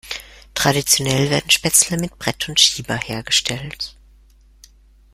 Traditionell werden Spätzle mit Brett und Schieber hergestellt.